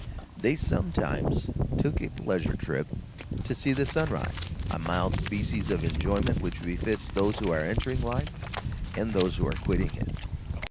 They sometimes took a pleasure trip to see the sun rise, a mild species of enjoyment which befits those who are entering life and those who are quitting it.